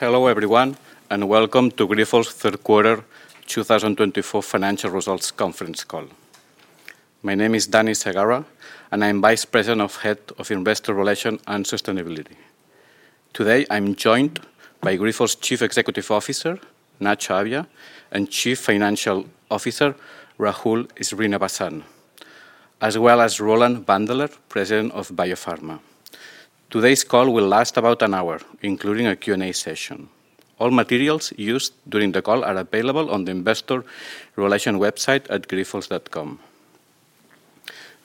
Hello everyone, and welcome to Grifols Third Quarter 2024 Financial Results Conference call. My name is Dani Segarra, and I'm Vice President and Head of Investor Relations and Sustainability. Today I'm joined by Grifols Chief Executive Officer, Nacho Abia; and Chief Financial Officer, Rahul Srinivasan; as well as Roland Wandeler, President of Biopharma. Today's call will last about an hour, including a Q&A session. All materials used during the call are available on the investor relations website at grifols.com.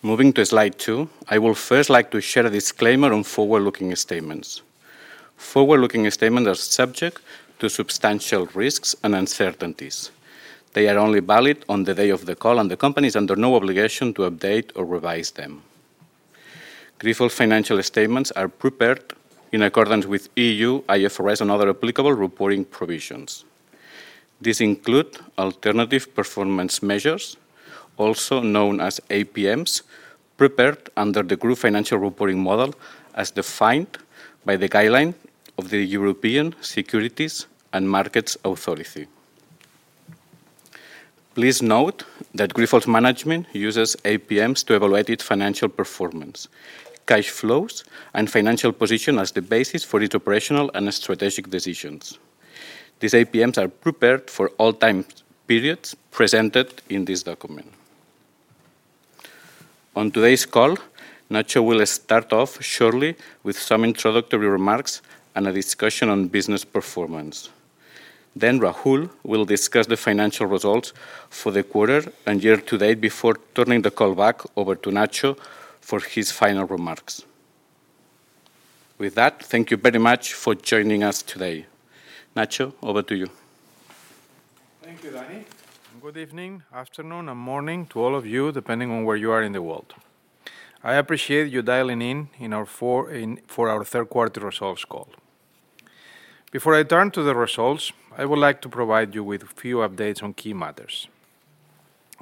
Moving to slide two, I would first like to share a disclaimer on forward-looking statements. Forward-looking statements are subject to substantial risks and uncertainties. They are only valid on the day of the call, and the company is under no obligation to update or revise them. Grifols financial statements are prepared in accordance with EU IFRS, and other applicable reporting provisions. These include alternative performance measures, also known as APMs, prepared under the group financial reporting model as defined by the guideline of the European Securities and Markets Authority. Please note that Grifols Management uses APMs to evaluate its financial performance, cash flows, and financial position as the basis for its operational and strategic decisions. These APMs are prepared for all time periods presented in this document. On today's call, Nacho will start off shortly with some introductory remarks and a discussion on business performance. Then Rahul will discuss the financial results for the quarter and year to date before turning the call back over to Nacho for his final remarks. With that, thank you very much for joining us today. Nacho, over to you. Thank you, Dani. Good evening, afternoon, and morning to all of you, depending on where you are in the world. I appreciate you dialing in for our third quarter results call. Before I turn to the results, I would like to provide you with a few updates on key matters.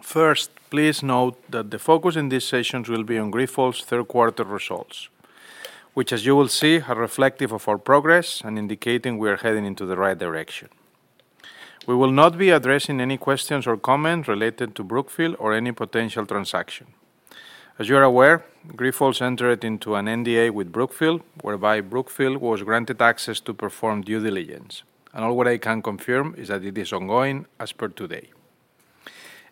First, please note that the focus in this session will be on Grifols' third quarter results, which, as you will see, are reflective of our progress and indicating we are heading in the right direction. We will not be addressing any questions or comments related to Brookfield or any potential transaction. As you are aware, Grifols entered into an NDA with Brookfield, whereby Brookfield was granted access to perform due diligence, and all what I can confirm is that it is ongoing as per today.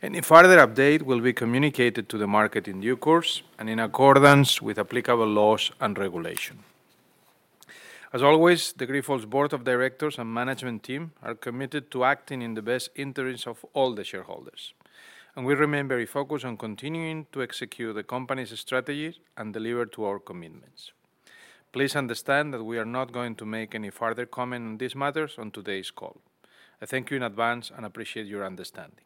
Any further update will be communicated to the market in due course and in accordance with applicable laws and regulation. As always, the Grifols Board of Directors and Management Team are committed to acting in the best interests of all the shareholders. We remain very focused on continuing to execute the company's strategy and deliver to our commitments. Please understand that we are not going to make any further comment on these matters on today's call. I thank you in advance and appreciate your understanding.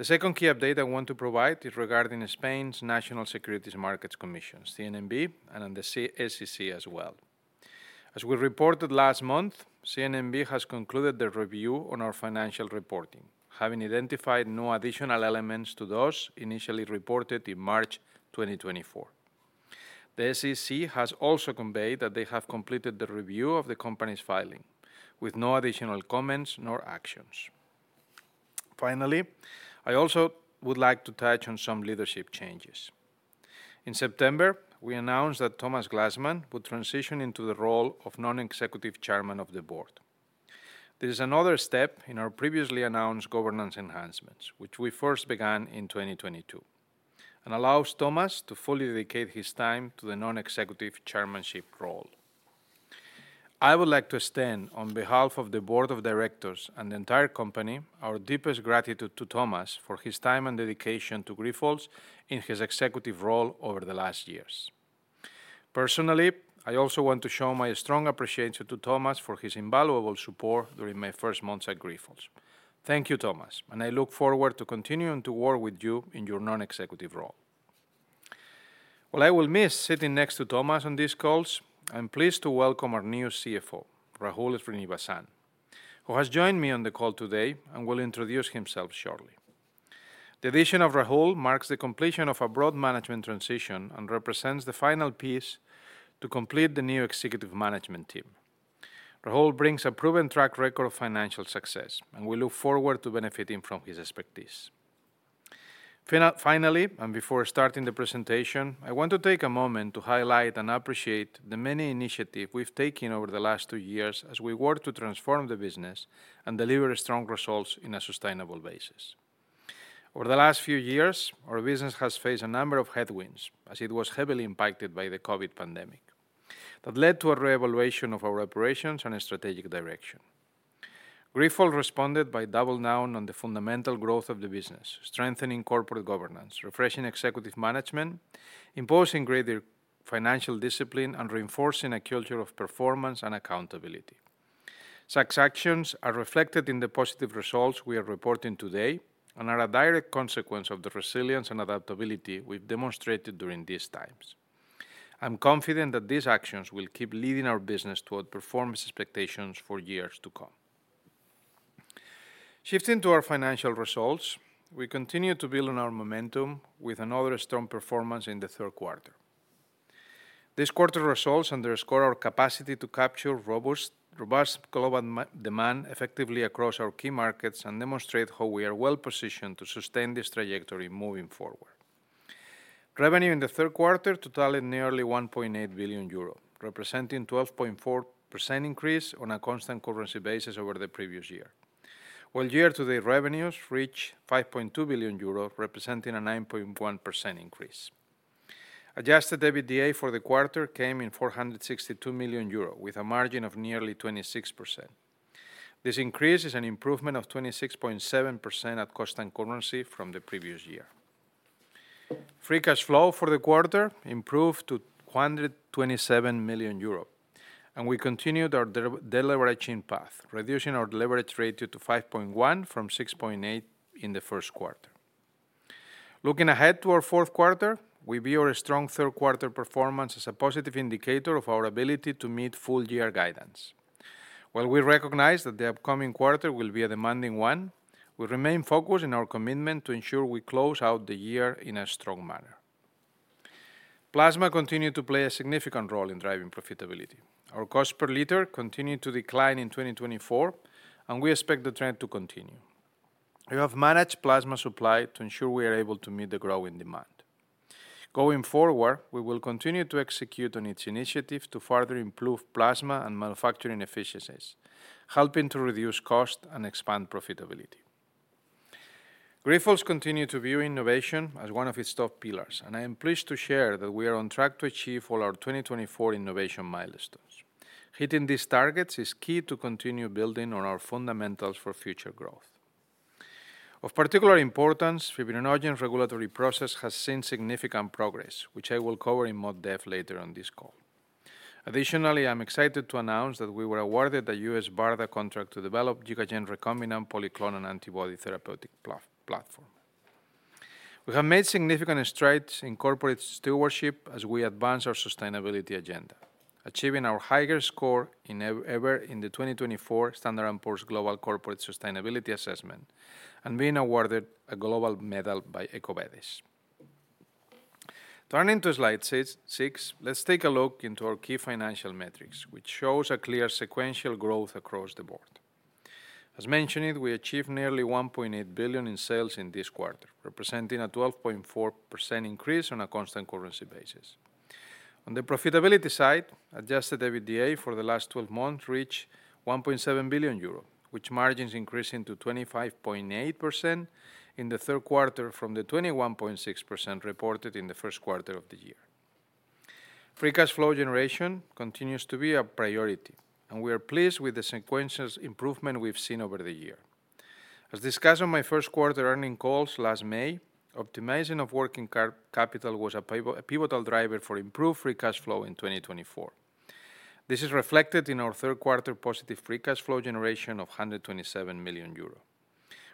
The second key update I want to provide is regarding Spain's National Securities Markets Commission, CNMV, and the SEC as well. As we reported last month, CNMV has concluded the review on our financial reporting, having identified no additional elements to those initially reported in March 2024. The SEC has also conveyed that they have completed the review of the company's filing, with no additional comments nor actions. Finally, I also would like to touch on some leadership changes. In September, we announced that Thomas Glanzmann would transition into the role of non-executive Chairman of the Board. This is another step in our previously announced governance enhancements, which we first began in 2022, and allows Thomas to fully dedicate his time to the non-executive chairmanship role. I would like to extend, on behalf of the Board of Directors and the entire company, our deepest gratitude to Thomas for his time and dedication to Grifols in his executive role over the last years. Personally, I also want to show my strong appreciation to Thomas for his invaluable support during my first months at Grifols. Thank you, Thomas, and I look forward to continuing to work with you in your non-executive role. While I will miss sitting next to Thomas on these calls, I'm pleased to welcome our new CFO, Rahul Srinivasan, who has joined me on the call today and will introduce himself shortly. The addition of Rahul marks the completion of a broad management transition and represents the final piece to complete the new executive management team. Rahul brings a proven track record of financial success, and we look forward to benefiting from his expertise. Finally, and before starting the presentation, I want to take a moment to highlight and appreciate the many initiatives we've taken over the last two years as we work to transform the business and deliver strong results on a sustainable basis. Over the last few years, our business has faced a number of headwinds as it was heavily impacted by the COVID pandemic that led to a re-evaluation of our operations and strategic direction. Grifols responded by double down on the fundamental growth of the business, strengthening corporate governance, refreshing executive management, imposing greater financial discipline, and reinforcing a culture of performance and accountability. Such actions are reflected in the positive results we are reporting today and are a direct consequence of the resilience and adaptability we've demonstrated during these times. I'm confident that these actions will keep leading our business toward performance expectations for years to come. Shifting to our financial results, we continue to build on our momentum with another strong performance in the third quarter. This quarter results underscore our capacity to capture robust global demand effectively across our key markets and demonstrate how we are well positioned to sustain this trajectory moving forward. Revenue in the third quarter totaled nearly 1.8 billion euro, representing a 12.4% increase on a constant currency basis over the previous year, while year-to-date revenues reached 5.2 billion euros, representing a 9.1% increase. Adjusted EBITDA for the quarter came in 462 million euro, with a margin of nearly 26%. This increase is an improvement of 26.7% at cost and currency from the previous year. Free cash flow for the quarter improved to 127 million euros, and we continued our deleveraging path, reducing our leverage ratio to 5.1x from 6.8x in the first quarter. Looking ahead to our fourth quarter, we view our strong third quarter performance as a positive indicator of our ability to meet full-year guidance. While we recognize that the upcoming quarter will be a demanding one, we remain focused on our commitment to ensure we close out the year in a strong manner. Plasma continued to play a significant role in driving profitability. Our cost per liter continued to decline in 2024, and we expect the trend to continue. We have managed plasma's supply to ensure we are able to meet the growing demand. Going forward, we will continue to execute on its initiative to further improve plasma and manufacturing efficiencies, helping to reduce costs and expand profitability. Grifols continues to view innovation as one of its top pillars, and I am pleased to share that we are on track to achieve all our 2024 innovation milestones. Hitting these targets is key to continue building on our fundamentals for future growth. Of particular importance, the fibrinogen regulatory process has seen significant progress, which I will cover in more depth later on this call. Additionally, I'm excited to announce that we were awarded a U.S. BARDA contract to develop the GigaGen recombinant polyclonal antibody therapeutic platform. We have made significant strides in corporate stewardship as we advance our sustainability agenda, achieving our highest score ever in the 2024 Standard & Poor's Global Corporate Sustainability Assessment and being awarded a gold medal by EcoVadis. Turning to slide six, let's take a look into our key financial metrics, which show a clear sequential growth across the board. As mentioned, we achieved nearly 1.8 billion in sales in this quarter, representing a 12.4% increase on a constant currency basis. On the profitability side, Adjusted EBITDA for the last 12 months reached 1.7 billion euro, with margins increased to 25.8% in the third quarter from the 21.6% reported in the first quarter of the year. Free cash flow generation continues to be a priority, and we are pleased with the sequential improvement we've seen over the year. As discussed on my first quarter earnings calls last May, optimizing of working capital was a pivotal driver for improved free cash flow in 2024. This is reflected in our third quarter positive free cash flow generation of 127 million euro,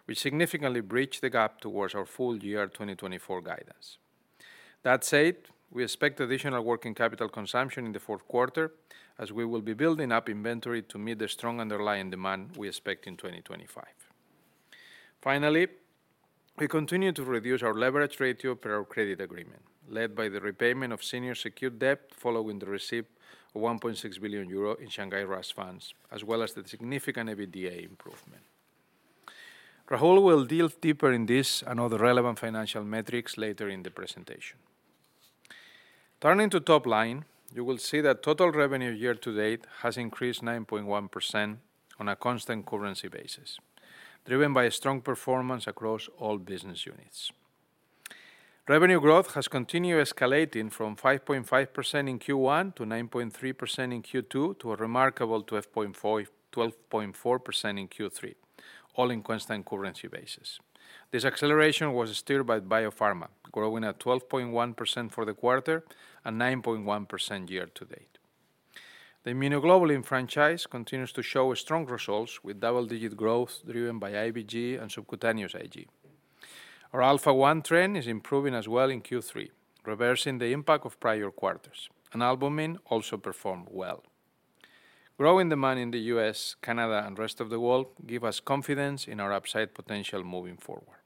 which significantly bridged the gap towards our full-year 2024 guidance. That said, we expect additional working capital consumption in the fourth quarter, as we will be building up inventory to meet the strong underlying demand we expect in 2025. Finally, we continue to reduce our leverage ratio per our credit agreement, led by the repayment of senior secured debt following the receipt of 1.6 billion euro in Shanghai RAAS funds, as well as the significant EBITDA improvement. Rahul will delve deeper into this and other relevant financial metrics later in the presentation. Turning to top line, you will see that total revenue year to date has increased 9.1% on a constant currency basis, driven by strong performance across all business units. Revenue growth has continued escalating from 5.5% in Q1 to 9.3% in Q2 to a remarkable 12.4% in Q3, all on a constant currency basis. This acceleration was steered by Biopharma, growing at 12.1% for the quarter and 9.1% year to date. The Immunoglobulin franchise continues to show strong results, with double-digit growth driven by IVIG and Subcutaneous IG. Our Alpha-1 trend is improving as well in Q3, reversing the impact of prior quarters. And albumin also performed well. Growing demand in the U.S., Canada, and rest of the world gives us confidence in our upside potential moving forward.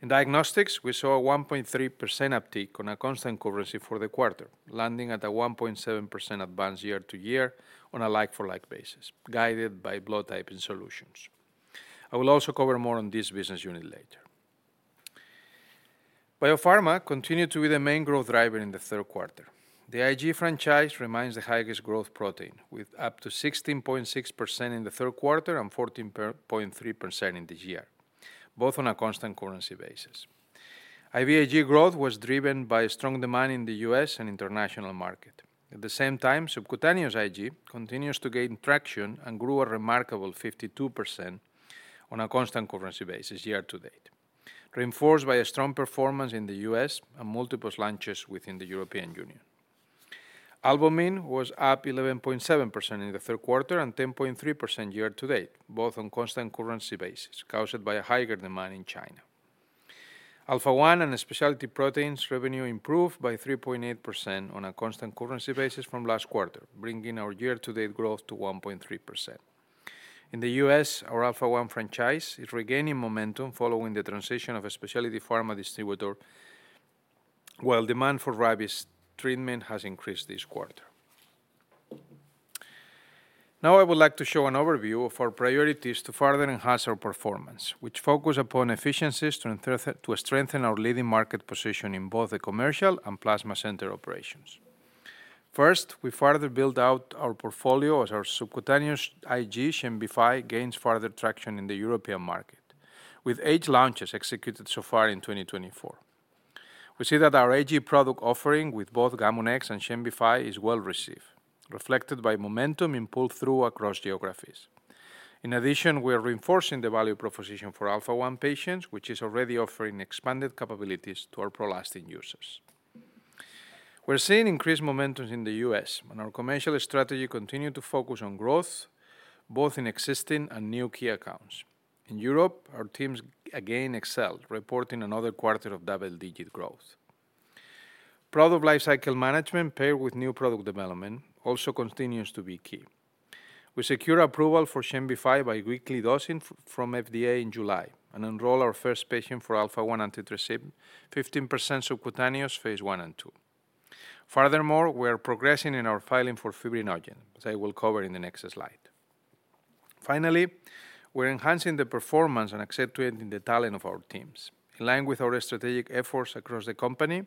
In diagnostics, we saw a 1.3% uptick on a constant currency for the quarter, landing at a 1.7% advance year to year on a like-for-like basis, guided by blood typing solutions. I will also cover more on this business unit later. Biopharma continued to be the main growth driver in the third quarter. The IVIG franchise remains the highest growth protein, with up to 16.6% in the third quarter and 14.3% in the year, both on a constant currency basis. IVIG growth was driven by strong demand in the U.S. and international market. At the same time, subcutaneous IG continues to gain traction and grew a remarkable 52% on a constant currency basis year to date, reinforced by strong performance in the U.S. and multiple launches within the European Union. Albumin was up 11.7% in the third quarter and 10.3% year to date, both on a constant currency basis, caused by a higher demand in China. Alpha-1 and specialty proteins revenue improved by 3.8% on a constant currency basis from last quarter, bringing our year-to-date growth to 1.3%. In the U.S., our Alpha-1 franchise is regaining momentum following the transition of a specialty pharma distributor, while demand for rabies treatment has increased this quarter. Now, I would like to show an overview of our priorities to further enhance our performance, which focus upon efficiencies to strengthen our leading market position in both the commercial and plasma center operations. First, we further build out our portfolio as our Subcutaneous IG Xembify gains further traction in the European market, with eight launches executed so far in 2024. We see that our IG product offering with both Gamunex and Xembify is well received, reflected by momentum in pull-through across geographies. In addition, we are reinforcing the value proposition for Alpha-1 patients, which is already offering expanded capabilities to our Prolastin users. We're seeing increased momentum in the U.S., and our commercial strategy continues to focus on growth, both in existing and new key accounts. In Europe, our teams again excelled, reporting another quarter of double-digit growth. Product lifecycle management, paired with new product development, also continues to be key. We secure approval for Xembify bi-weekly dosing from FDA in July and enroll our first patient for Alpha-1 Antitrypsin 15% subcutaneous phase I and II. Furthermore, we are progressing in our filing for fibrinogen, which I will cover in the next slide. Finally, we're enhancing the performance and accentuating the talent of our teams. In line with our strategic efforts across the company,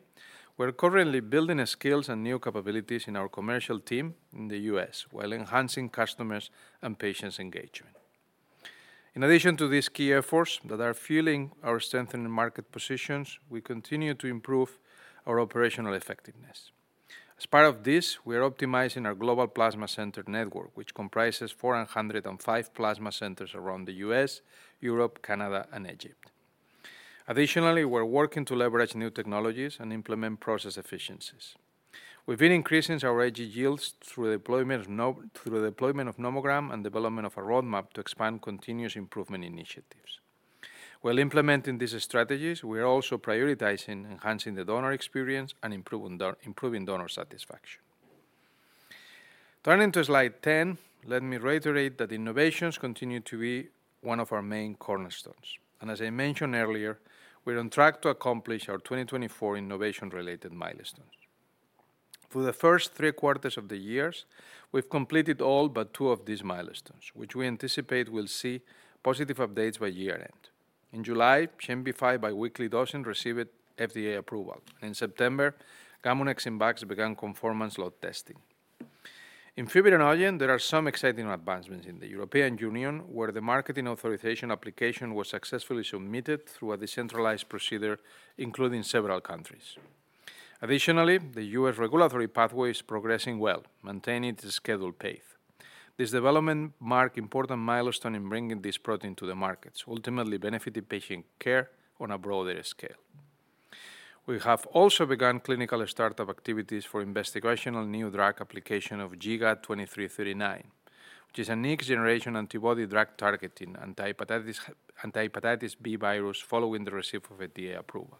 we're currently building skills and new capabilities in our commercial team in the U.S., while enhancing customers' and patients' engagement. In addition to these key efforts that are fueling our strengthened market positions, we continue to improve our operational effectiveness. As part of this, we are optimizing our global plasma center network, which comprises 405 plasma centers around the U.S., Europe, Canada, and Egypt. Additionally, we're working to leverage new technologies and implement process efficiencies. We've been increasing our IG yields through the deployment of nomogram and development of a roadmap to expand continuous improvement initiatives. While implementing these strategies, we are also prioritizing enhancing the donor experience and improving donor satisfaction. Turning to slide 10, let me reiterate that innovations continue to be one of our main cornerstones. And as I mentioned earlier, we're on track to accomplish our 2024 innovation-related milestones. For the first three quarters of the year, we've completed all but two of these milestones, which we anticipate will see positive updates by year-end. In July, Xembify bi-weekly dosing received FDA approval, and in September, Gamunex in bags began conformance lot testing. In fibrinogen, there are some exciting advancements in the European Union, where the marketing authorization application was successfully submitted through a decentralized procedure, including several countries. Additionally, the U.S. regulatory pathway is progressing well, maintaining its scheduled pace. This development marks an important milestone in bringing this protein to the markets, ultimately benefiting patient care on a broader scale. We have also begun clinical startup activities for investigational new drug application of GIGA-2339, which is a next-generation antibody drug targeting anti-Hepatitis B virus following the receipt of FDA approval.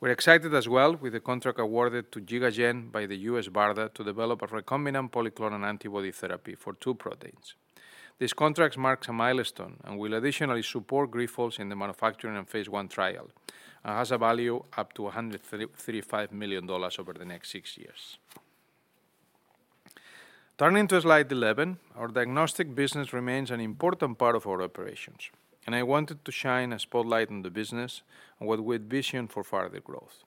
We're excited as well with the contract awarded to GigaGen by the U.S. BARDA to develop a recombinant polyclonal antibody therapy for two proteins. This contract marks a milestone and will additionally support Grifols in the manufacturing and phase I trial, and has a value up to $135 million over the next six years. Turning to slide 11, our diagnostic business remains an important part of our operations, and I wanted to shine a spotlight on the business and what we envision for further growth.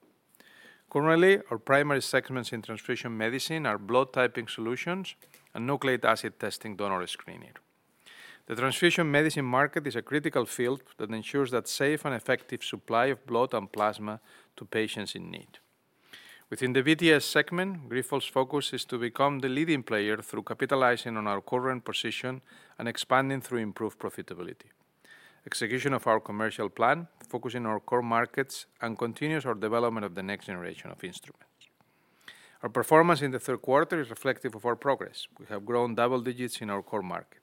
Currently, our primary segments in transfusion medicine are blood typing solutions and nucleic acid testing donor screening. The transfusion medicine market is a critical field that ensures that safe and effective supply of blood and plasma to patients in need. Within the BTS segment, Grifols' focus is to become the leading player through capitalizing on our current position and expanding through improved profitability. Execution of our commercial plan, focusing on our core markets, and continues our development of the next generation of instruments. Our performance in the third quarter is reflective of our progress. We have grown double digits in our core market.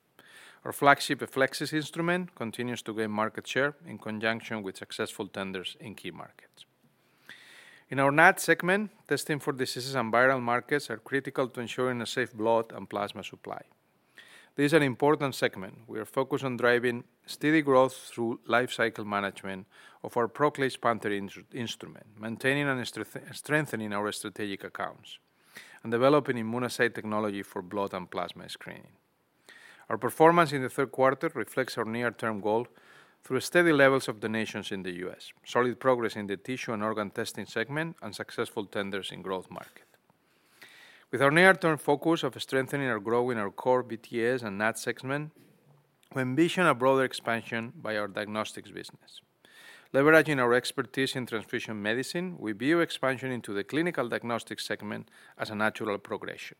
Our flagship Eflexis instrument continues to gain market share in conjunction with successful tenders in key markets. In our NAT segment, testing for diseases and viral markets is critical to ensuring a safe blood and plasma supply. This is an important segment. We are focused on driving steady growth through lifecycle management of our Procleix Panther instrument, maintaining and strengthening our strategic accounts, and developing immunoassay technology for blood and plasma screening. Our performance in the third quarter reflects our near-term goal through steady levels of donations in the U.S., solid progress in the tissue and organ testing segment, and successful tenders in growth market. With our near-term focus of strengthening or growing our core BTS and NAT segment, we envision a broader expansion by our diagnostics business. Leveraging our expertise in transfusion medicine, we view expansion into the clinical diagnostics segment as a natural progression.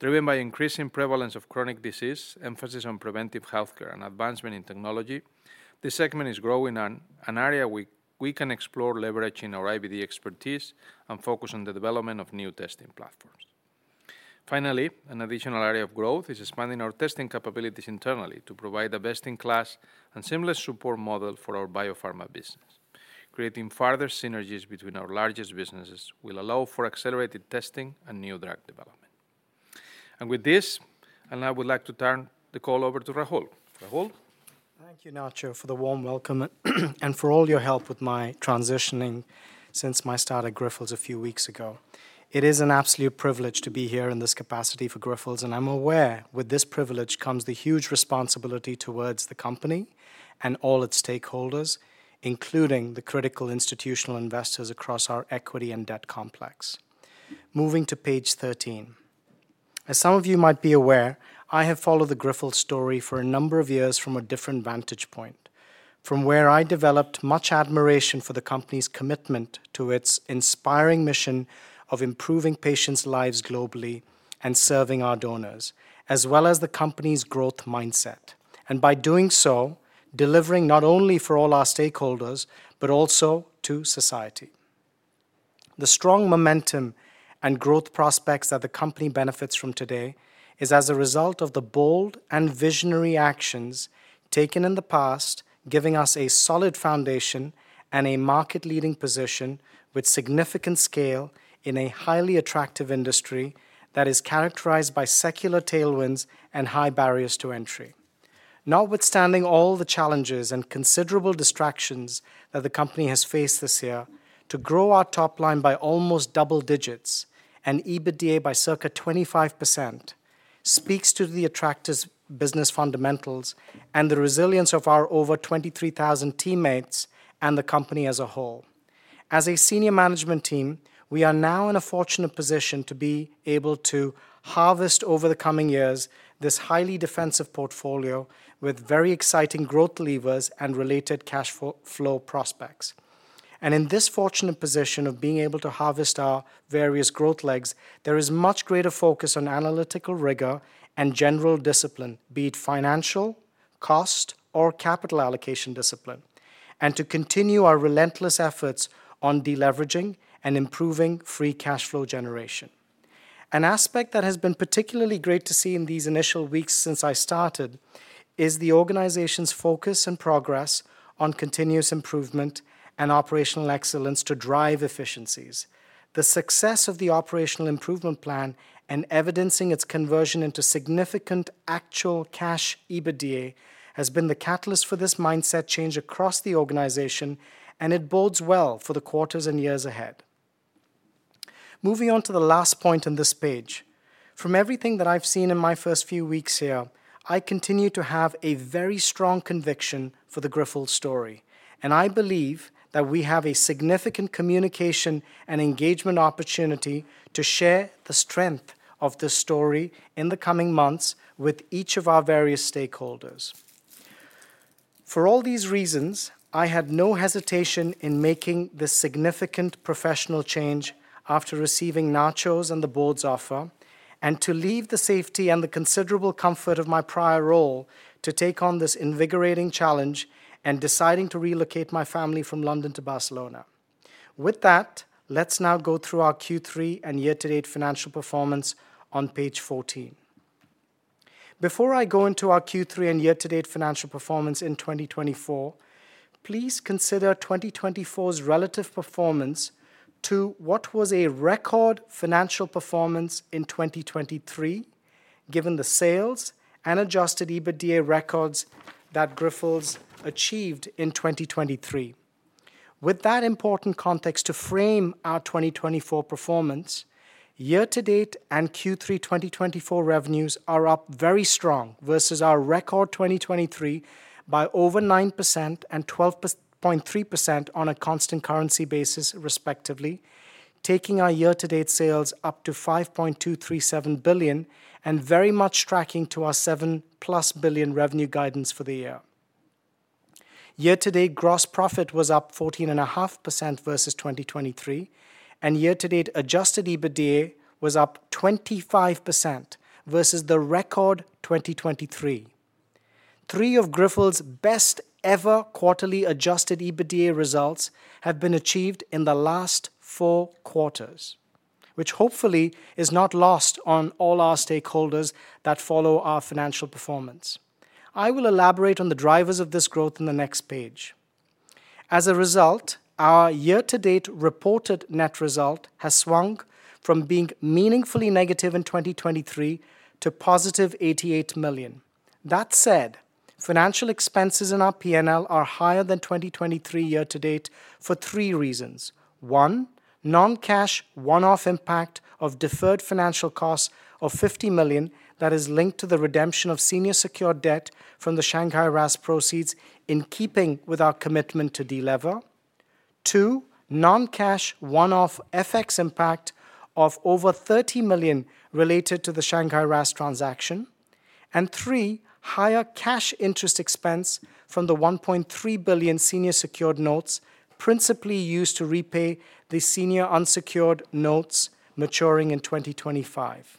Driven by increasing prevalence of chronic disease, emphasis on preventive healthcare, and advancement in technology, this segment is a growing area we can explore leveraging our IVD expertise and focus on the development of new testing platforms. Finally, an additional area of growth is expanding our testing capabilities internally to provide a best-in-class and seamless support model for our Biopharma business. Creating further synergies between our largest businesses will allow for accelerated testing and new drug development. And with this, I now would like to turn the call over to Rahul. Rahul. Thank you, Nacho, for the warm welcome and for all your help with my transitioning since my start at Grifols a few weeks ago. It is an absolute privilege to be here in this capacity for Grifols, and I'm aware with this privilege comes the huge responsibility towards the company and all its stakeholders, including the critical institutional investors across our equity and debt complex. Moving to page 13. As some of you might be aware, I have followed the Grifols story for a number of years from a different vantage point, from where I developed much admiration for the company's commitment to its inspiring mission of improving patients' lives globally and serving our donors, as well as the company's growth mindset, and by doing so, delivering not only for all our stakeholders, but also to society. The strong momentum and growth prospects that the company benefits from today is as a result of the bold and visionary actions taken in the past, giving us a solid foundation and a market-leading position with significant scale in a highly attractive industry that is characterized by secular tailwinds and high barriers to entry. Notwithstanding all the challenges and considerable distractions that the company has faced this year, to grow our top line by almost double digits and EBITDA by circa 25% speaks to the attractive business fundamentals and the resilience of our over 23,000 teammates and the company as a whole. As a senior management team, we are now in a fortunate position to be able to harvest over the coming years this highly defensive portfolio with very exciting growth levers and related cash flow prospects, and in this fortunate position of being able to harvest our various growth levers, there is much greater focus on analytical rigor and general discipline, be it financial, cost, or capital allocation discipline, and to continue our relentless efforts on deleveraging and improving free cash flow generation. An aspect that has been particularly great to see in these initial weeks since I started is the organization's focus and progress on continuous improvement and operational excellence to drive efficiencies. The success of the operational improvement plan and evidencing its conversion into significant actual cash EBITDA has been the catalyst for this mindset change across the organization, and it bodes well for the quarters and years ahead. Moving on to the last point on this page. From everything that I've seen in my first few weeks here, I continue to have a very strong conviction for the Grifols story, and I believe that we have a significant communication and engagement opportunity to share the strength of this story in the coming months with each of our various stakeholders. For all these reasons, I had no hesitation in making this significant professional change after receiving Nacho's and the board's offer, and to leave the safety and the considerable comfort of my prior role to take on this invigorating challenge and deciding to relocate my family from London to Barcelona. With that, let's now go through our Q3 and year-to-date financial performance on page 14. Before I go into our Q3 and year-to-date financial performance in 2024, please consider 2024's relative performance to what was a record financial performance in 2023, given the sales and adjusted EBITDA records that Grifols achieved in 2023. With that important context to frame our 2024 performance, year-to-date and Q3 2024 revenues are up very strong versus our record 2023 by over 9% and 12.3% on a constant currency basis, respectively, taking our year-to-date sales up to 5.237 billion and very much tracking to our 7+ billion revenue guidance for the year. Year-to-date gross profit was up 14.5% versus 2023, and year-to-date Adjusted EBITDA was up 25% versus the record 2023. Three of Grifols' best-ever quarterly Adjusted EBITDA results have been achieved in the last four quarters, which hopefully is not lost on all our stakeholders that follow our financial performance. I will elaborate on the drivers of this growth in the next page. As a result, our year-to-date reported net result has swung from being meaningfully negative in 2023 to positive 88 million. That said, financial expenses in our P&L are higher than 2023 year-to-date for three reasons. One, non-cash one-off impact of deferred financial costs of 50 million that is linked to the redemption of senior secured debt from the Shanghai RAAS proceeds in keeping with our commitment to delever. Two, non-cash one-off FX impact of over 30 million related to the Shanghai RAAS transaction. And three, higher cash interest expense from the 1.3 billion senior secured notes principally used to repay the senior unsecured notes maturing in 2025.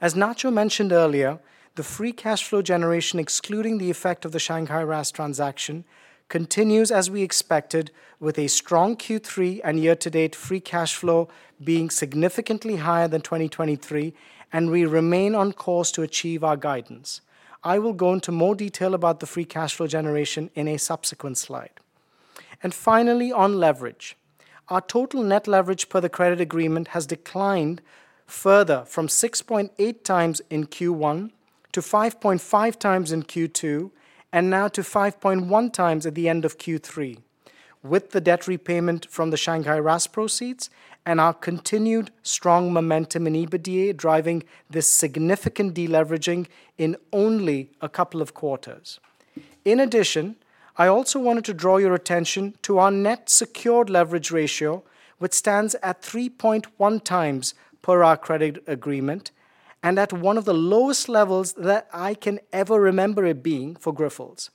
As Nacho mentioned earlier, the free cash flow generation, excluding the effect of the Shanghai RAAS transaction, continues as we expected, with a strong Q3 and year-to-date free cash flow being significantly higher than 2023, and we remain on course to achieve our guidance. I will go into more detail about the free cash flow generation in a subsequent slide. Finally, on leverage. Our total net leverage per the credit agreement has declined further from 6.8x in Q1 to 5.5x in Q2, and now to 5.1x at the end of Q3, with the debt repayment from the Shanghai RAAS proceeds and our continued strong momentum in EBITDA driving this significant deleveraging in only a couple of quarters. In addition, I also wanted to draw your attention to our net secured leverage ratio, which stands at 3.1x per our credit agreement and at one of the lowest levels that I can ever remember it being for Grifols,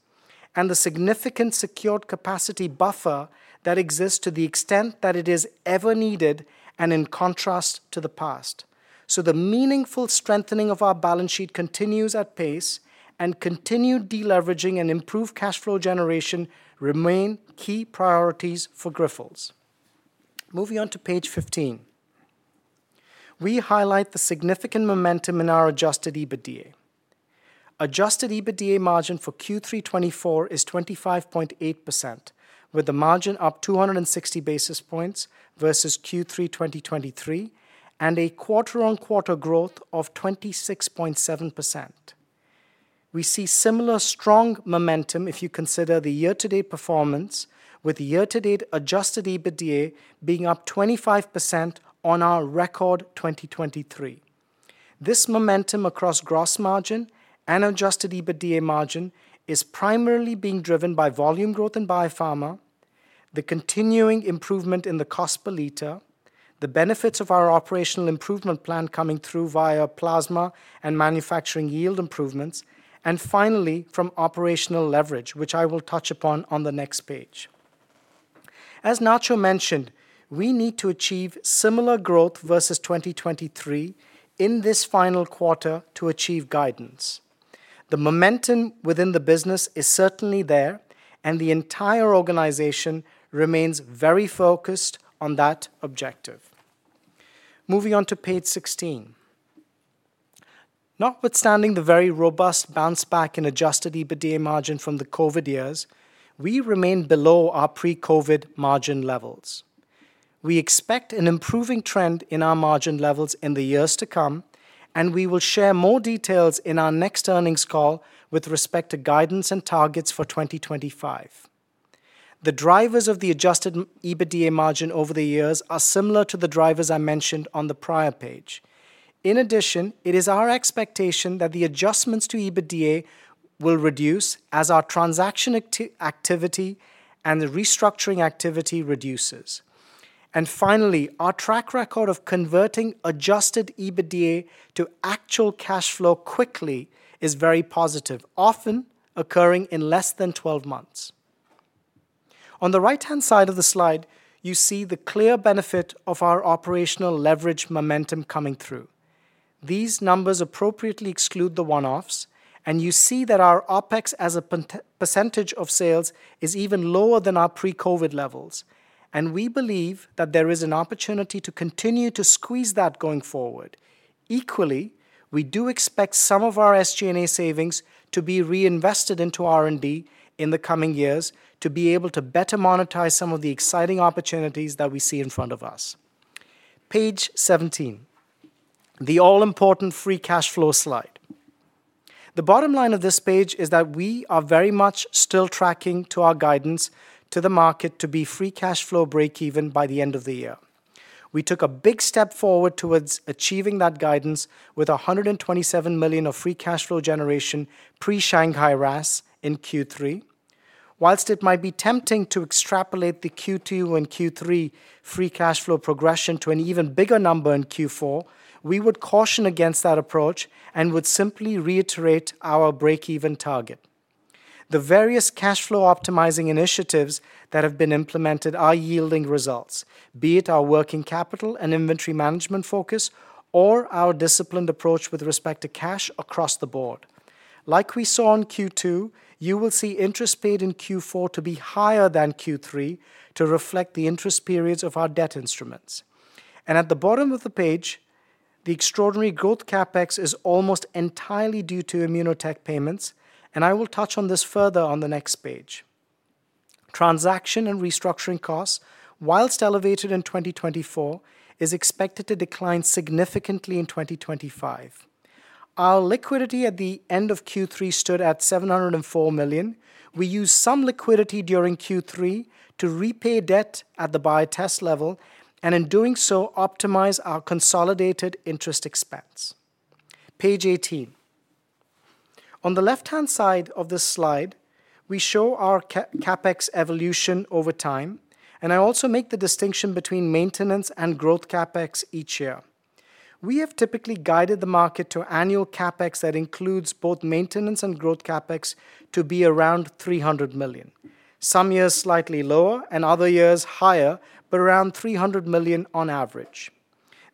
and the significant secured capacity buffer that exists to the extent that it is ever needed and in contrast to the past. So the meaningful strengthening of our balance sheet continues at pace, and continued deleveraging and improved cash flow generation remain key priorities for Grifols. Moving on to page 15. We highlight the significant momentum in our Adjusted EBITDA. Adjusted EBITDA margin for Q3 2024 is 25.8%, with the margin up 260 basis points versus Q3 2023, and a quarter-on-quarter growth of 26.7%. We see similar strong momentum if you consider the year-to-date performance, with year-to-date Adjusted EBITDA being up 25% on our record 2023. This momentum across gross margin and Adjusted EBITDA margin is primarily being driven by volume growth in Biopharma, the continuing improvement in the cost per liter, the benefits of our operational improvement plan coming through via plasma and manufacturing yield improvements, and finally, from operational leverage, which I will touch upon on the next page. As Nacho mentioned, we need to achieve similar growth versus 2023 in this final quarter to achieve guidance. The momentum within the business is certainly there, and the entire organization remains very focused on that objective. Moving on to page 16. Notwithstanding the very robust bounce back in Adjusted EBITDA margin from the COVID years, we remain below our pre-COVID margin levels. We expect an improving trend in our margin levels in the years to come, and we will share more details in our next earnings call with respect to guidance and targets for 2025. The drivers of the Adjusted EBITDA margin over the years are similar to the drivers I mentioned on the prior page. In addition, it is our expectation that the adjustments to EBITDA will reduce as our transaction activity and the restructuring activity reduces. And finally, our track record of converting Adjusted EBITDA to actual cash flow quickly is very positive, often occurring in less than 12 months. On the right-hand side of the slide, you see the clear benefit of our operational leverage momentum coming through. These numbers appropriately exclude the one-offs, and you see that our OpEx as a percentage of sales is even lower than our pre-COVID levels, and we believe that there is an opportunity to continue to squeeze that going forward. Equally, we do expect some of our SG&A savings to be reinvested into R&D in the coming years to be able to better monetize some of the exciting opportunities that we see in front of us. Page 17. The all-important free cash flow slide. The bottom line of this page is that we are very much still tracking to our guidance to the market to be free cash flow breakeven by the end of the year. We took a big step forward towards achieving that guidance with 127 million of free cash flow generation pre-Shanghai RAAS in Q3. While it might be tempting to extrapolate the Q2 and Q3 free cash flow progression to an even bigger number in Q4, we would caution against that approach and would simply reiterate our breakeven target. The various cash flow optimizing initiatives that have been implemented are yielding results, be it our working capital and inventory management focus or our disciplined approach with respect to cash across the board. Like we saw in Q2, you will see interest paid in Q4 to be higher than Q3 to reflect the interest periods of our debt instruments, and at the bottom of the page, the extraordinary growth CapEx is almost entirely due to ImmunoTek payments, and I will touch on this further on the next page. Transaction and restructuring costs, while elevated in 2024, are expected to decline significantly in 2025. Our liquidity at the end of Q3 stood at 704 million. We used some liquidity during Q3 to repay debt at the Biotest level and, in doing so, optimize our consolidated interest expense. Page 18. On the left-hand side of this slide, we show our CapEx evolution over time, and I also make the distinction between maintenance and growth CapEx each year. We have typically guided the market to annual CapEx that includes both maintenance and growth CapEx to be around 300 million. Some years slightly lower and other years higher, but around 300 million on average.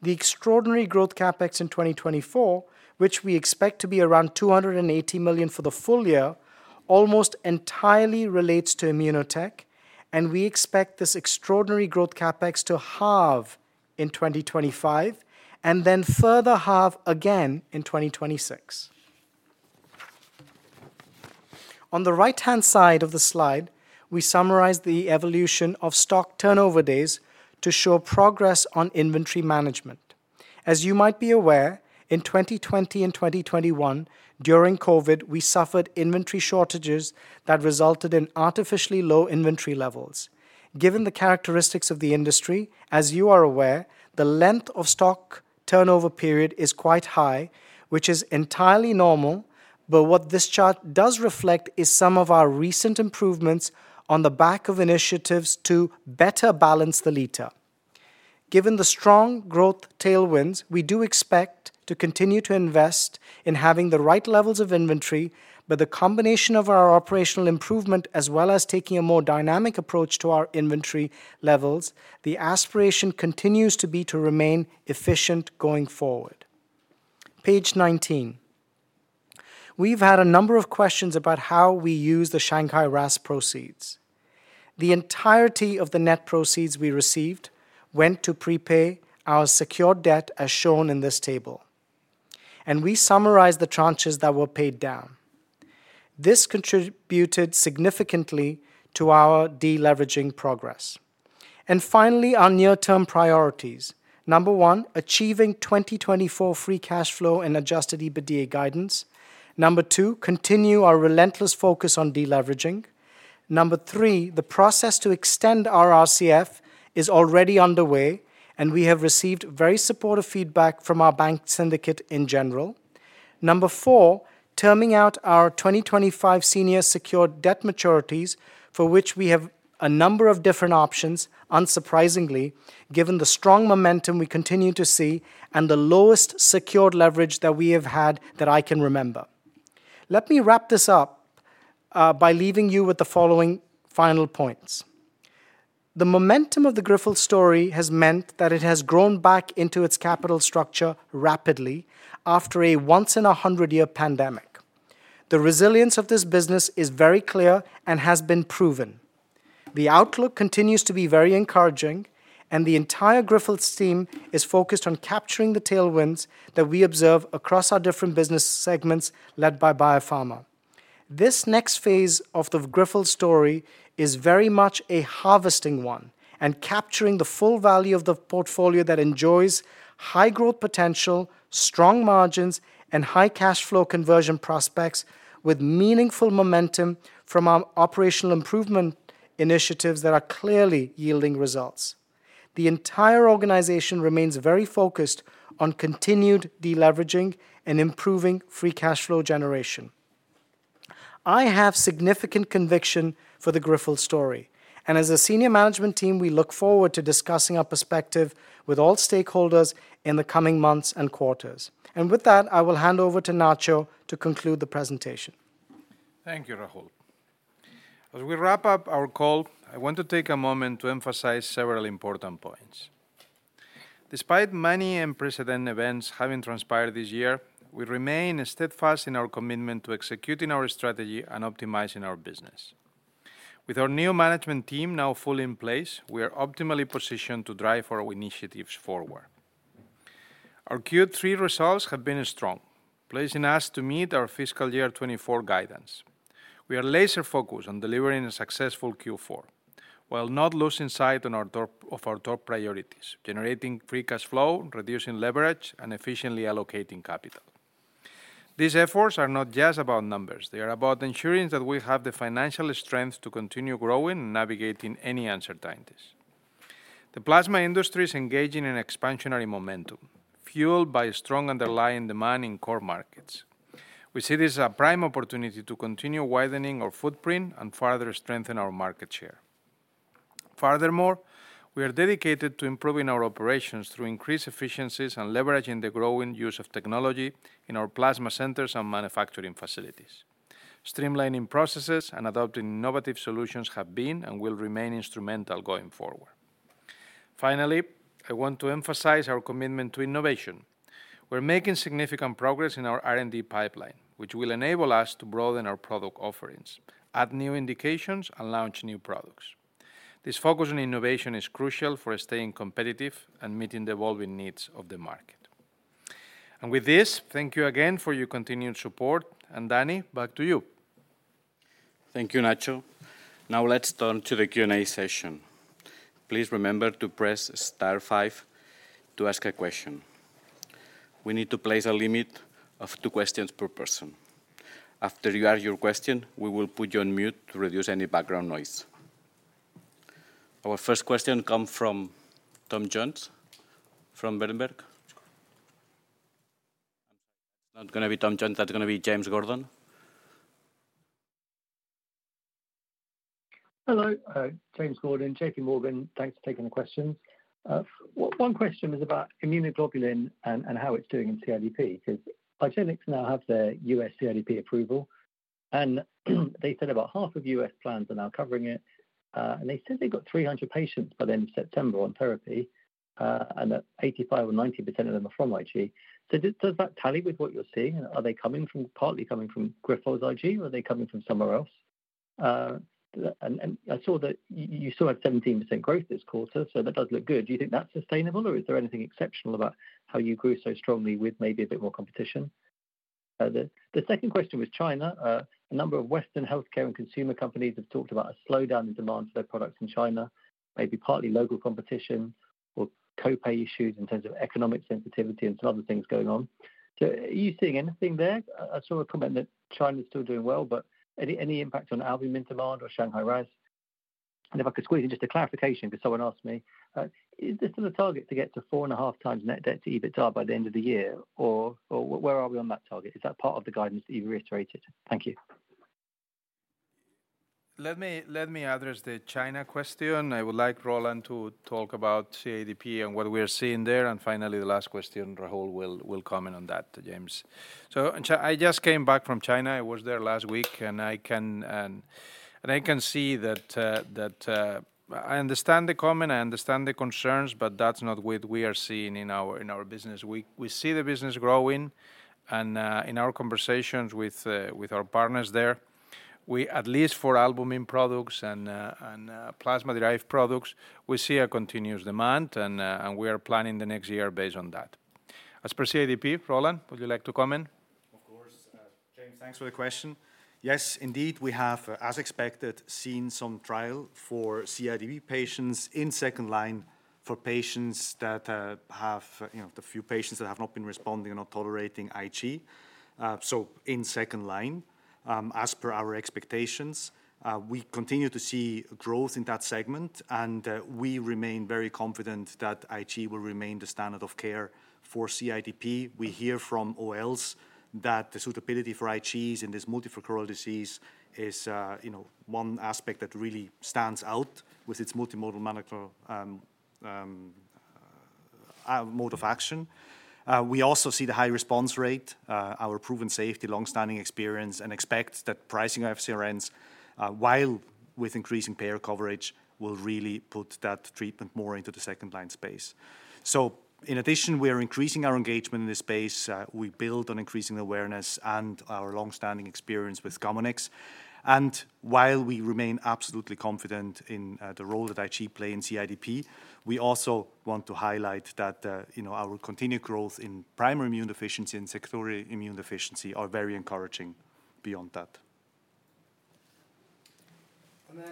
The extraordinary growth CapEx in 2024, which we expect to be around 280 million for the full year, almost entirely relates to ImmunoTek, and we expect this extraordinary growth CapEx to halve in 2025 and then further halve again in 2026. On the right-hand side of the slide, we summarize the evolution of stock turnover days to show progress on inventory management. As you might be aware, in 2020 and 2021, during COVID, we suffered inventory shortages that resulted in artificially low inventory levels. Given the characteristics of the industry, as you are aware, the length of stock turnover period is quite high, which is entirely normal, but what this chart does reflect is some of our recent improvements on the back of initiatives to better balance the liter. Given the strong growth tailwinds, we do expect to continue to invest in having the right levels of inventory, but the combination of our operational improvement as well as taking a more dynamic approach to our inventory levels, the aspiration continues to be to remain efficient going forward. Page 19. We've had a number of questions about how we use the Shanghai RAAS proceeds. The entirety of the net proceeds we received went to prepay our secured debt as shown in this table, and we summarized the tranches that were paid down. This contributed significantly to our deleveraging progress. And finally, our near-term priorities. Number one, achieving 2024 free cash flow and Adjusted EBITDA guidance. Number two, continue our relentless focus on deleveraging. Number three, the process to extend our RCF is already underway, and we have received very supportive feedback from our bank syndicate in general. Number four, terming out our 2025 senior secured debt maturities, for which we have a number of different options, unsurprisingly, given the strong momentum we continue to see and the lowest secured leverage that we have had that I can remember. Let me wrap this up by leaving you with the following final points. The momentum of the Grifols story has meant that it has grown back into its capital structure rapidly after a once-in-a-hundred-year pandemic. The resilience of this business is very clear and has been proven. The outlook continues to be very encouraging, and the entire Grifols team is focused on capturing the tailwinds that we observe across our different business segments led by Biopharma. This next phase of the Grifols story is very much a harvesting one and capturing the full value of the portfolio that enjoys high growth potential, strong margins, and high cash flow conversion prospects with meaningful momentum from our operational improvement initiatives that are clearly yielding results. The entire organization remains very focused on continued deleveraging and improving free cash flow generation. I have significant conviction for the Grifols story, and as a senior management team, we look forward to discussing our perspective with all stakeholders in the coming months and quarters. And with that, I will hand over to Nacho to conclude the presentation. Thank you, Rahul. As we wrap up our call, I want to take a moment to emphasize several important points. Despite many unprecedented events having transpired this year, we remain steadfast in our commitment to executing our strategy and optimizing our business. With our new management team now fully in place, we are optimally positioned to drive our initiatives forward. Our Q3 results have been strong, placing us to meet our fiscal year 2024 guidance. We are laser-focused on delivering a successful Q4 while not losing sight of our top priorities, generating free cash flow, reducing leverage, and efficiently allocating capital. These efforts are not just about numbers. They are about ensuring that we have the financial strength to continue growing and navigating any uncertainties. The plasma industry is engaging in expansionary momentum, fueled by strong underlying demand in core markets. We see this as a prime opportunity to continue widening our footprint and further strengthen our market share. Furthermore, we are dedicated to improving our operations through increased efficiencies and leveraging the growing use of technology in our plasma centers and manufacturing facilities. Streamlining processes and adopting innovative solutions have been and will remain instrumental going forward. Finally, I want to emphasize our commitment to innovation. We're making significant progress in our R&D pipeline, which will enable us to broaden our product offerings, add new indications, and launch new products. This focus on innovation is crucial for staying competitive and meeting the evolving needs of the market, and with this, thank you again for your continued support, and Dani, back to you. Thank you, Nacho. Now let's turn to the Q&A session. Please remember to press star five to ask a question. We need to place a limit of two questions per person. After you ask your question, we will put you on mute to reduce any background noise. Our first question comes from Tom Jones from Berenberg. Not going to be Tom Jones, that's going to be James Gordon. Hello, James Gordon, JPMorgan. Thanks for taking the questions. One question is about immunoglobulin and how it's doing in CIDP because argenx now has their U.S. CIDP approval, and they said about half of U.S. plans are now covering it. And they said they've got 300 patients by the end of September on therapy, and that 85 or 90% of them are from IG. So does that tally with what you're seeing? Are they partly coming from Grifols IG, or are they coming from somewhere else? And I saw that you still have 17% growth this quarter, so that does look good. Do you think that's sustainable, or is there anything exceptional about how you grew so strongly with maybe a bit more competition? The second question was China. A number of Western healthcare and consumer companies have talked about a slowdown in demand for their products in China, maybe partly local competition or copay issues in terms of economic sensitivity and some other things going on. So are you seeing anything there? I saw a comment that China is still doing well, but any impact on albumin demand or Shanghai RAAS? And if I could squeeze in just a clarification because someone asked me, is this still a target to get to 4.5x net debt to EBITDA by the end of the year, or where are we on that target? Is that part of the guidance that you've reiterated? Thank you. Let me address the China question. I would like Roland to talk about CIDP and what we are seeing there. And finally, the last question, Rahul will comment on that, James. So I just came back from China. I was there last week, and I can see that I understand the comment, I understand the concerns, but that's not what we are seeing in our business. We see the business growing, and in our conversations with our partners there, at least for albumin products and plasma-derived products, we see a continuous demand, and we are planning the next year based on that. As per CIDP, Roland, would you like to comment? Of course. James, thanks for the question. Yes, indeed, we have, as expected, seen some trial for CIDP patients in second line for the few patients that have not been responding and not tolerating IG. So in second line, as per our expectations, we continue to see growth in that segment, and we remain very confident that IG will remain the standard of care for CIDP. We hear from OLs that the suitability for IGs in this multifactorial disease is one aspect that really stands out with its multimodal mode of action. We also see the high response rate, our proven safety, long-standing experience, and expect that pricing of FCRNs, while with increasing payer coverage, will really put that treatment more into the second line space, so in addition, we are increasing our engagement in this space. We build on increasing awareness and our long-standing experience with Gamunex, and while we remain absolutely confident in the role that IG plays in CIDP, we also want to highlight that our continued growth in primary immune deficiency and secondary immune deficiency are very encouraging beyond that. Then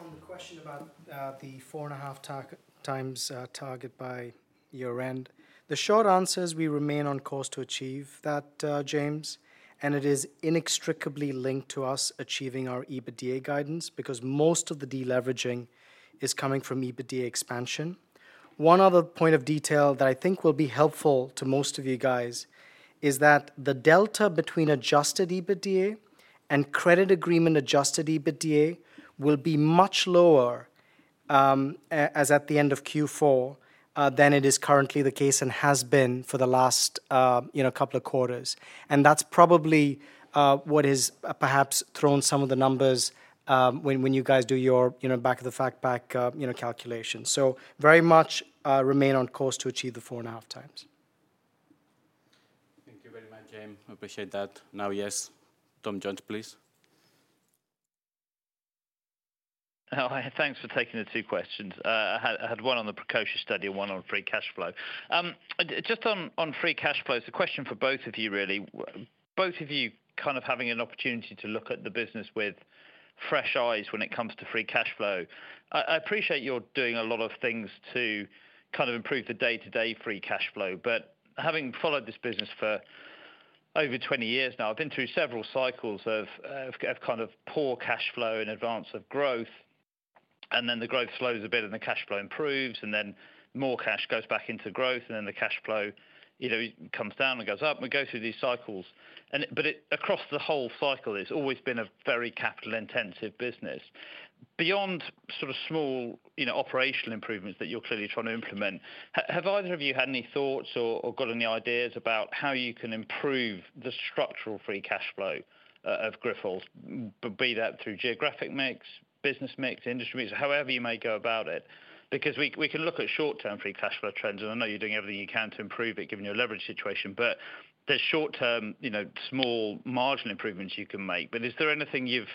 on the question about the 4.5x target by year-end, the short answer is we remain on course to achieve that, James, and it is inextricably linked to us achieving our EBITDA guidance because most of the deleveraging is coming from EBITDA expansion. One other point of detail that I think will be helpful to most of you guys is that the delta between adjusted EBITDA and credit agreement adjusted EBITDA will be much lower as at the end of Q4 than it is currently the case and has been for the last couple of quarters. And that's probably what has perhaps thrown some of the numbers when you guys do your back-of-the-envelope calculation. So very much remain on course to achieve the 4.5x. Thank you very much, James. I appreciate that. Now, yes, Tom Jones, please. Thanks for taking the two questions. I had one on the PRECIOSA study and one on free cash flow. Just on free cash flow, it's a question for both of you, really. Both of you kind of having an opportunity to look at the business with fresh eyes when it comes to free cash flow. I appreciate you're doing a lot of things to kind of improve the day-to-day free cash flow, but having followed this business for over 20 years now, I've been through several cycles of kind of poor cash flow in advance of growth, and then the growth slows a bit and the cash flow improves, and then more cash goes back into growth, and then the cash flow comes down and goes up. We go through these cycles, but across the whole cycle, it's always been a very capital-intensive business. Beyond sort of small operational improvements that you're clearly trying to implement, have either of you had any thoughts or got any ideas about how you can improve the structural free cash flow of Grifols, be that through geographic mix, business mix, industry mix, however you may go about it? Because we can look at short-term free cash flow trends, and I know you're doing everything you can to improve it given your leverage situation, but there's short-term small margin improvements you can make. But is there anything you've,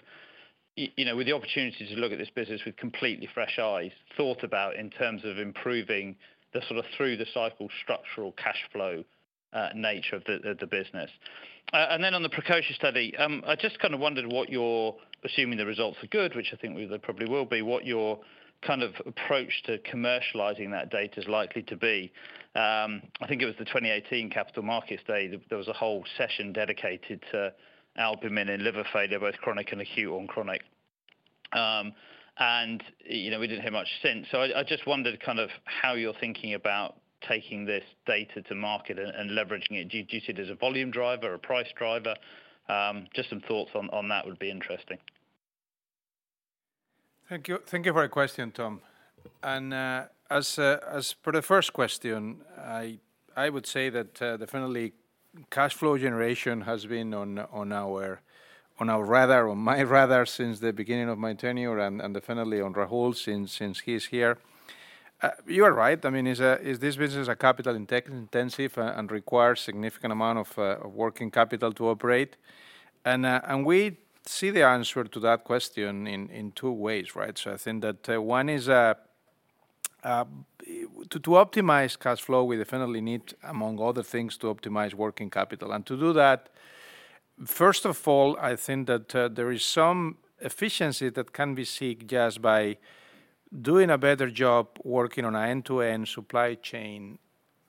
with the opportunity to look at this business with completely fresh eyes, thought about in terms of improving the sort of through-the-cycle structural cash flow nature of the business? And then on the PRECIOSA study, I just kind of wondered what you're assuming the results are good, which I think they probably will be, what your kind of approach to commercializing that data is likely to be. I think it was the 2018 Capital Markets Day that there was a whole session dedicated to albumin and liver failure, both chronic and acute or chronic. And we didn't hear much since, so I just wondered kind of how you're thinking about taking this data to market and leveraging it. Do you see it as a volume driver, a price driver? Just some thoughts on that would be interesting. Thank you for your question, Tom. And as per the first question, I would say that definitely cash flow generation has been on our radar, on my radar since the beginning of my tenure, and definitely on Rahul since he's here. You are right. I mean, is this business capital-intensive and requires a significant amount of working capital to operate, and we see the answer to that question in two ways, right, so I think that one is to optimize cash flow. We definitely need, among other things, to optimize working capital, and to do that, first of all, I think that there is some efficiency that can be sought just by doing a better job working on an end-to-end supply chain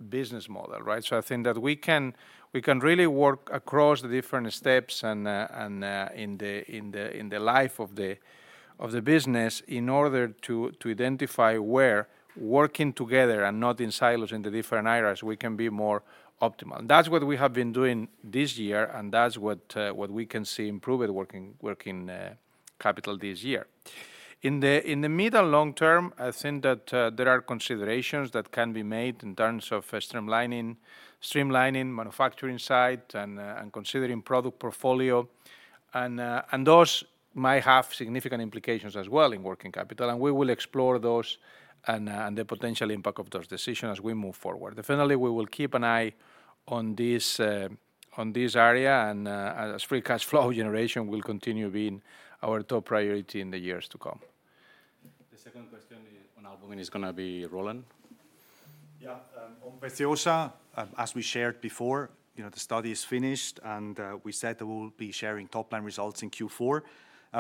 business model, right, so I think that we can really work across the different steps and in the life of the business in order to identify where working together and not in silos in the different areas, we can be more optimal. That's what we have been doing this year, and that's what we can see: improved working capital this year. In the mid and long term, I think that there are considerations that can be made in terms of streamlining manufacturing site and considering product portfolio, and those might have significant implications as well in working capital, and we will explore those and the potential impact of those decisions as we move forward. Definitely, we will keep an eye on this area, and, as free cash flow generation will continue being our top priority in the years to come. The second question on albumin is going to be Roland. Yeah, on Prolastin, as we shared before, the study is finished, and we said that we'll be sharing top-line results in Q4.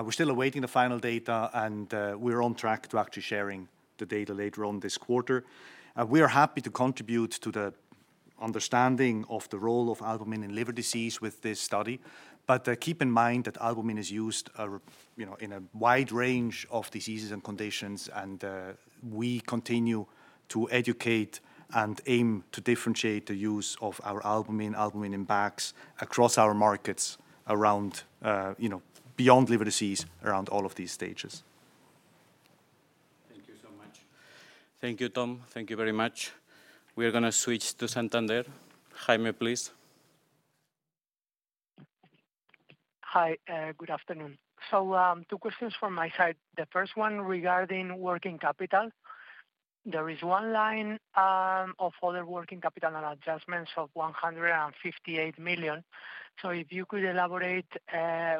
We're still awaiting the final data, and we're on track to actually sharing the data later on this quarter. We are happy to contribute to the understanding of the role of albumin in liver disease with this study, but keep in mind that albumin is used in a wide range of diseases and conditions, and we continue to educate and aim to differentiate the use of our albumin, albumin in bags across our markets beyond liver disease around all of these stages. Thank you so much. Thank you, Tom. Thank you very much. We are going to switch to Santander. Jaime, please. Hi, good afternoon. So two questions from my side. The first one regarding working capital. There is one line of other working capital and adjustments of 158 million. So if you could elaborate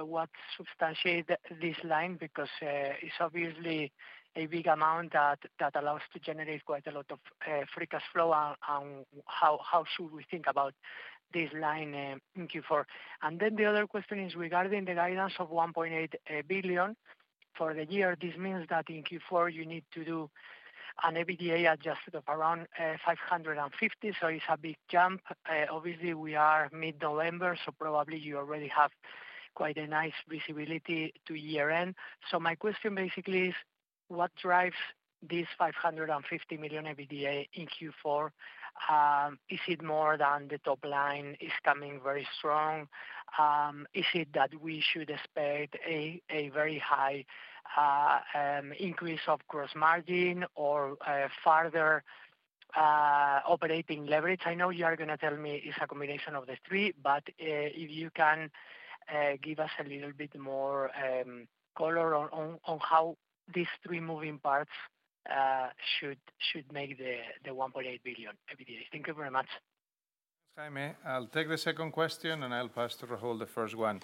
what substantiates this line because it's obviously a big amount that allows us to generate quite a lot of free cash flow, and how should we think about this line in Q4? And then the other question is regarding the guidance of 1.8 billion for the year. This means that in Q4, you need to do an adjusted EBITDA of around 550 million, so it's a big jump. Obviously, we are mid-November, so probably you already have quite a nice visibility to year-end. So my question basically is, what drives this 550 million adjusted EBITDA in Q4? Is it more than the top line is coming very strong? Is it that we should expect a very high increase of gross margin or further operating leverage? I know you are going to tell me it's a combination of the three, but if you can give us a little bit more color on how these three moving parts should make the 1.8 billion adjusted EBITDA. Thank you very much. Thanks, Jaime. I'll take the second question and I'll pass to Rahul the first one.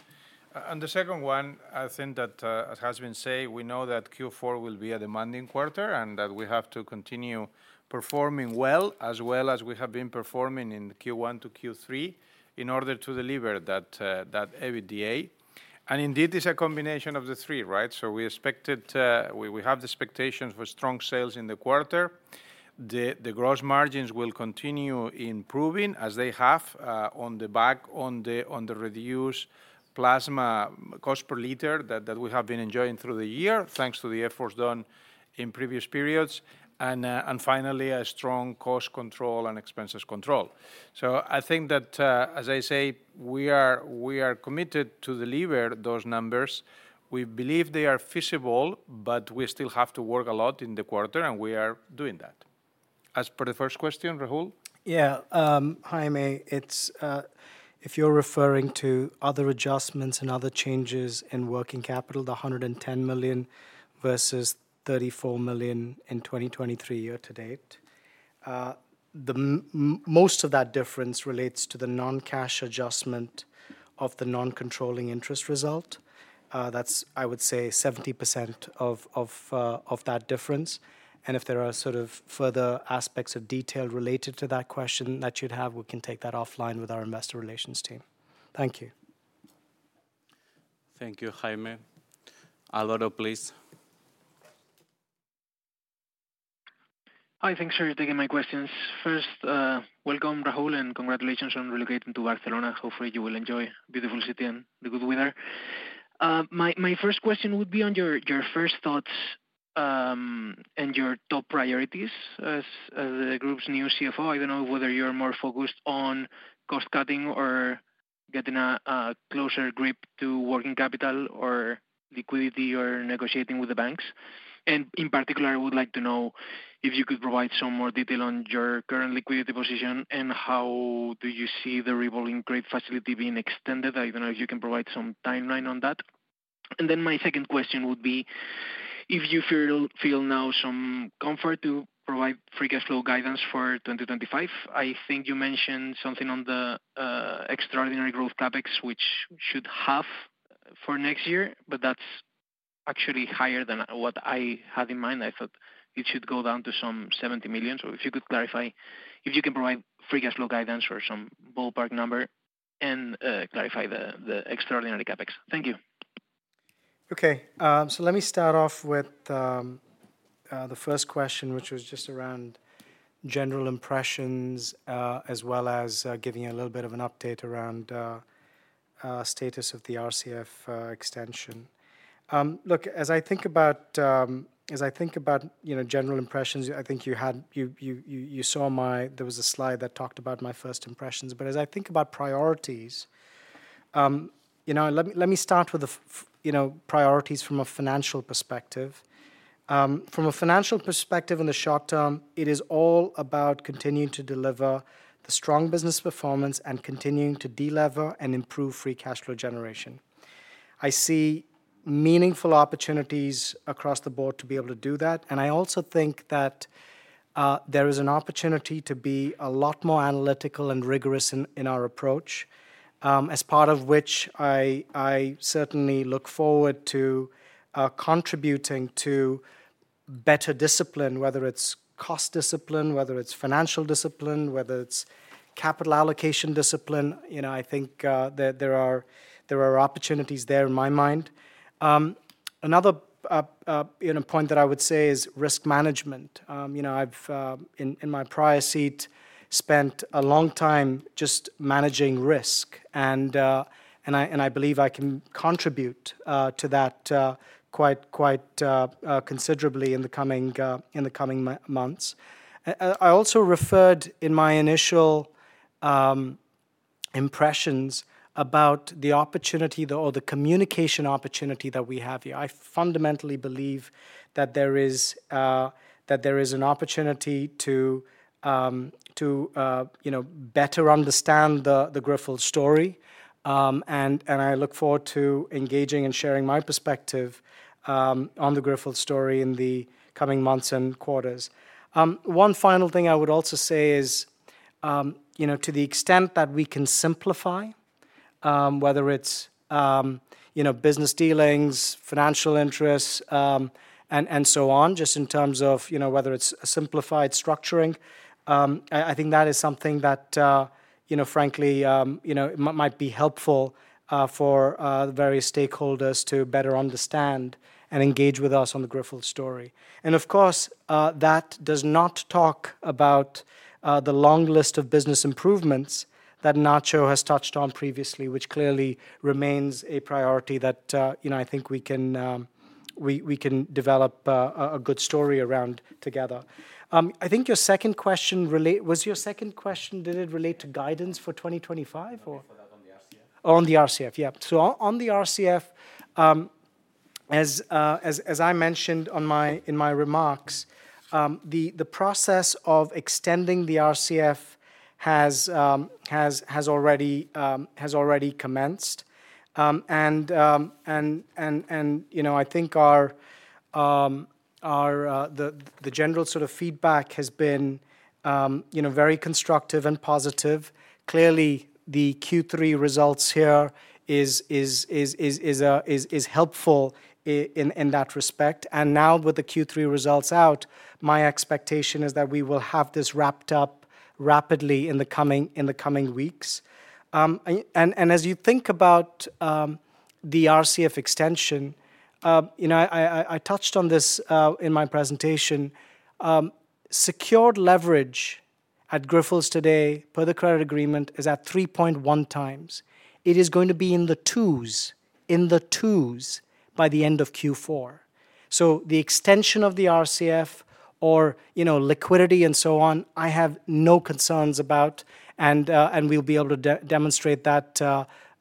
On the second one, I think that, as has been said, we know that Q4 will be a demanding quarter and that we have to continue performing well as well as we have been performing in Q1 to Q3 in order to deliver that EBITDA. And indeed, it's a combination of the three, right? So we have the expectations for strong sales in the quarter. The gross margins will continue improving as they have on the back of the reduced plasma cost per liter that we have been enjoying through the year thanks to the efforts done in previous periods. And finally, a strong cost control and expenses control. So I think that, as I say, we are committed to deliver those numbers. We believe they are feasible, but we still have to work a lot in the quarter, and we are doing that. As per the first question, Rahul? Yeah, Jaime, if you're referring to other adjustments and other changes in working capital, the 110 million versus 34 million in 2023 year to date, most of that difference relates to the non-cash adjustment of the non-controlling interest result. That's, I would say, 70% of that difference. And if there are sort of further aspects of detail related to that question that you'd have, we can take that offline with our investor relations team. Thank you. Thank you, Jaime. Alvaro, please. Hi, thanks for taking my questions. First, welcome, Rahul, and congratulations on relocating to Barcelona. Hopefully, you will enjoy a beautiful city and the good weather. My first question would be on your first thoughts and your top priorities as the group's new CFO. I don't know whether you're more focused on cost-cutting or getting a closer grip to working capital or liquidity or negotiating with the banks. In particular, I would like to know if you could provide some more detail on your current liquidity position and how do you see the revolving credit facility being extended? I don't know if you can provide some timeline on that. Then my second question would be if you feel now some comfort to provide Free Cash Flow guidance for 2025. I think you mentioned something on the extraordinary growth CapEx, which should halve for next year, but that's actually higher than what I had in mind. I thought it should go down to some 70 million. So if you could clarify if you can provide Free Cash Flow guidance or some ballpark number and clarify the extraordinary CapEx. Thank you. Okay, so let me start off with the first question, which was just around general impressions as well as giving a little bit of an update around status of the RCF extension. Look, as I think about general impressions, I think you saw there was a slide that talked about my first impressions. But as I think about priorities, let me start with the priorities from a financial perspective. From a financial perspective in the short term, it is all about continuing to deliver the strong business performance and continuing to delever and improve free cash flow generation. I see meaningful opportunities across the board to be able to do that. I also think that there is an opportunity to be a lot more analytical and rigorous in our approach, as part of which I certainly look forward to contributing to better discipline, whether it's cost discipline, whether it's financial discipline, whether it's capital allocation discipline. I think there are opportunities there in my mind. Another point that I would say is risk management. In my prior seat, I spent a long time just managing risk, and I believe I can contribute to that quite considerably in the coming months. I also referred in my initial impressions about the opportunity or the communication opportunity that we have here. I fundamentally believe that there is an opportunity to better understand the Grifols story, and I look forward to engaging and sharing my perspective on the Grifols story in the coming months and quarters. One final thing I would also say is to the extent that we can simplify, whether it's business dealings, financial interests, and so on, just in terms of whether it's a simplified structuring. I think that is something that, frankly, might be helpful for various stakeholders to better understand and engage with us on the Grifols story, and of course, that does not talk about the long list of business improvements that Nacho has touched on previously, which clearly remains a priority that I think we can develop a good story around together. I think your second question was, did it relate to guidance for 2025? No, for that on the RCF. On the RCF, yeah. So on the RCF, as I mentioned in my remarks, the process of extending the RCF has already commenced. I think the general sort of feedback has been very constructive and positive. Clearly, the Q3 results here are helpful in that respect. Now with the Q3 results out, my expectation is that we will have this wrapped up rapidly in the coming weeks. As you think about the RCF extension, I touched on this in my presentation. Secured leverage at Grifols today per the credit agreement is at 3.1x. It is going to be in the twos by the end of Q4. The extension of the RCF or liquidity and so on, I have no concerns about, and we'll be able to demonstrate that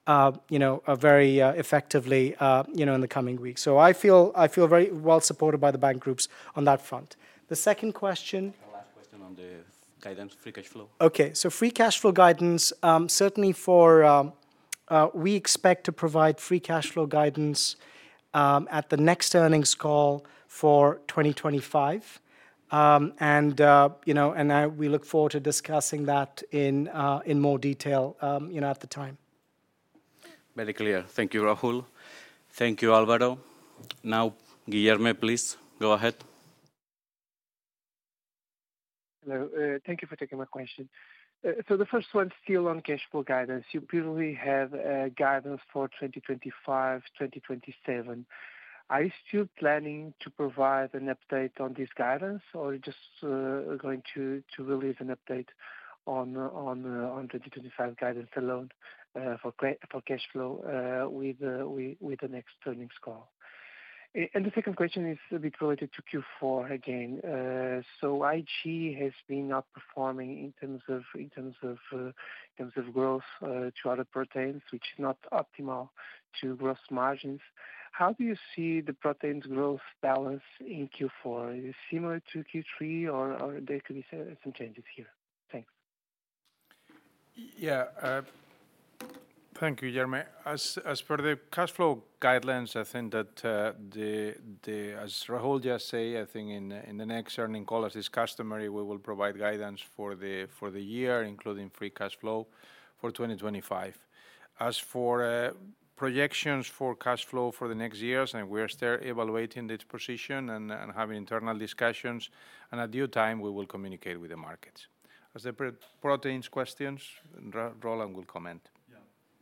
very effectively in the coming weeks. I feel very well supported by the bank groups on that front. The second question. Last question on the guidance, free cash flow. Okay, so free cash flow guidance. Certainly for 2025 we expect to provide free cash flow guidance at the next earnings call. And we look forward to discussing that in more detail at the time. Very clear. Thank you, Rahul. Thank you, Alvaro. Now, Guilherme, please go ahead. Hello, thank you for taking my question. So the first one is still on cash flow guidance. You clearly have guidance for 2025, 2027. Are you still planning to provide an update on this guidance, or are you just going to release an update on 2025 guidance alone for cash flow with the next earnings call? And the second question is a bit related to Q4 again. So IG has been outperforming in terms of growth to other proteins, which is not optimal for gross margins. How do you see the proteins' growth balance in Q4? Is it similar to Q3, or there could be some changes here? Thanks. Yeah, thank you, Guilherme. As per the cash flow guidelines, I think that as Rahul just said, I think in the next earnings call, as is customary, we will provide guidance for the year, including free cash flow for 2025. As for projections for cash flow for the next years, I mean, we are still evaluating this position and having internal discussions, and at due time, we will communicate with the markets. As it pertains to questions, Roland will comment. Yeah,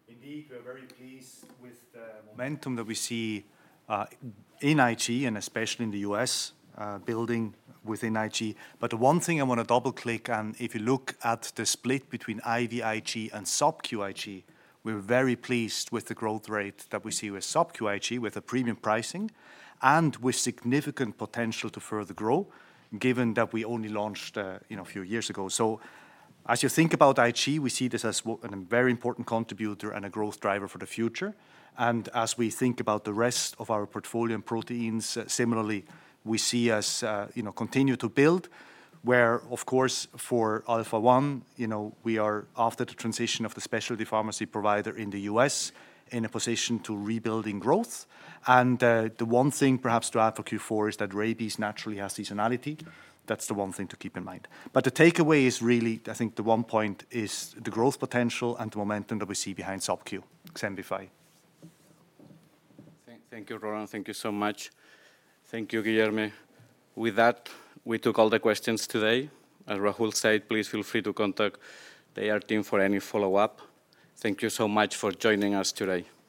indeed, we're very pleased with the momentum that we see in IG, and especially in the U.S. building within IG. But the one thing I want to double-click, and if you look at the split between IVIG and sub-Q IG, we're very pleased with the growth rate that we see with sub-Q IG, with the premium pricing, and with significant potential to further grow, given that we only launched a few years ago. So as you think about IG, we see this as a very important contributor and a growth driver for the future. And as we think about the rest of our portfolio and proteins, similarly, we see us continue to build, where, of course, for Alpha-1, we are, after the transition of the specialty pharmacy provider in the U.S., in a position to rebuilding growth. And the one thing perhaps to add for Q4 is that rabies naturally has seasonality. That's the one thing to keep in mind. But the takeaway is really, I think the one point is the growth potential and the momentum that we see behind sub-Q. Xembify. Thank you, Roland. Thank you so much. Thank you, Guilherme. With that, we took all the questions today. As Rahul said, please feel free to contact the IR team for any follow-up. Thank you so much for joining us today.